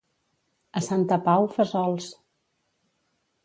A Santa Pau, fesols.